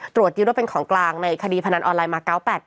ตรวจยึดว่าเป็นของกลางในคดีพนันออนไลน์มา๙๘๘